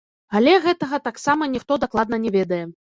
Але гэтага таксама ніхто дакладна не ведае.